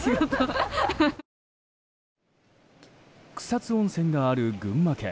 草津温泉がある群馬県。